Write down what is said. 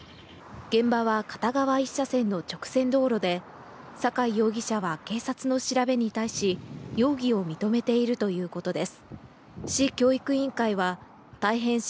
現場は片側１車線の直線道路で酒井容疑者は警察の調べに対し、容疑を認めているということです。